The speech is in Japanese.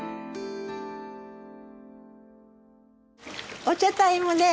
お茶タイムです！